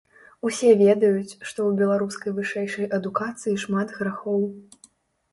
Усе ведаюць, што ў беларускай вышэйшай адукацыі шмат грахоў.